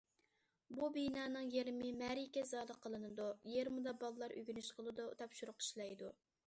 بۇ بىنانىڭ يېرىمى مەرىكە زالى قىلىنىدۇ، يېرىمىدا بالىلار ئۆگىنىش قىلىدۇ، تاپشۇرۇق ئىشلەيدۇ.